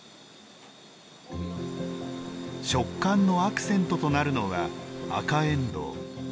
食感のアクセントとなるのは赤えんどう。